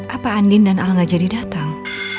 apa andin dan al gak jadi dateng